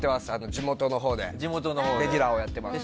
地元のほうでレギュラーやってます。